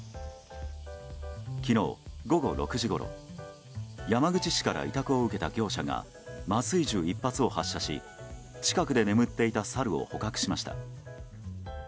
昨日午後６時ごろ山口市から委託を受けた業者が麻酔銃１発を発射し近くで眠っていたサルを捕獲しました。